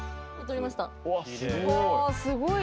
すごい！